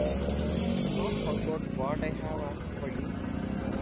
Do not forget what I have asked of you.